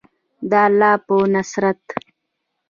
د الله په نصرت.